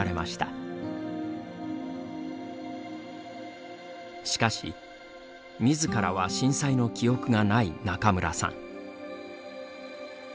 しかし、みずからは震災の記憶がない中村さん。